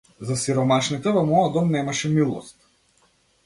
За сиромашните во мојот дом немаше милост.